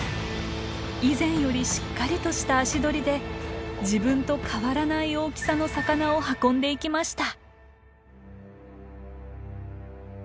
以前よりしっかりとした足取りで自分と変わらない大きさの魚を運んでいきました。